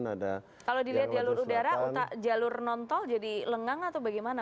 kalau dilihat jalur udara jalur non tol jadi lengang atau bagaimana